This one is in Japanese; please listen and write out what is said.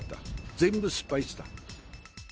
全部失敗した。